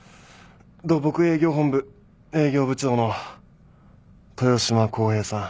土木営業本部営業部長の豊島浩平さん。